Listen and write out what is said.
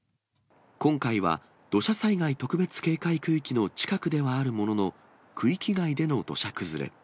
今回は土砂災害特別警戒区域の近くではあるものの、区域外での土砂崩れ。